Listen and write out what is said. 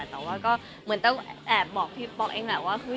แต่ว่าก็เหมือนต้องแอบบอกพี่ป๊อกเองแหละว่า